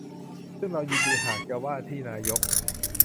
ซึ่งเรายินดีหากจะว่าที่นายก